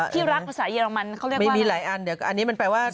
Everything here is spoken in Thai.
ที่รักภาษาเยอรมันเขาเรียกว่าไม่มีหลายอันเดี๋ยวอันนี้มันแปลว่า